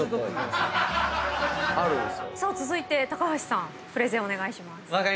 さあ続いて橋さんプレゼンお願いします。